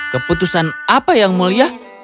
keputusan apa yang mulia